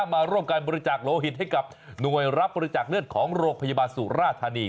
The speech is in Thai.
มาร่วมการบริจาคโลหิตให้กับหน่วยรับบริจาคเลือดของโรงพยาบาลสุราธานี